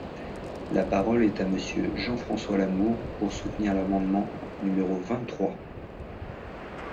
La parole est à Monsieur Jean-François Lamour, pour soutenir l’amendement numéro vingt-trois.